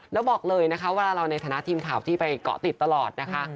แล้วบอกเลยนะคะเวลาเราในฐานะทีมข่าวที่ไปเกาะติดตลอดนะคะ